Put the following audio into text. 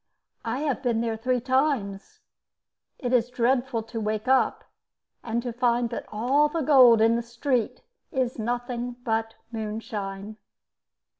I have been there three times. It is dreadful to wake up and to find that all the gold in the street is nothing but moonshine.